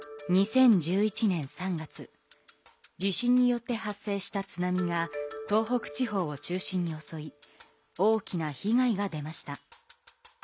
地震によって発生した津波が東北地方を中心におそい大きな被害が出ました。